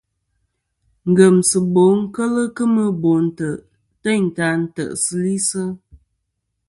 Ngemsiɨbo kel kemɨ no ntè' teyn ta ntè'sɨ li.